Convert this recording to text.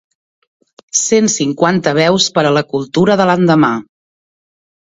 Cent cinquanta veus per a la cultura de l'endemà.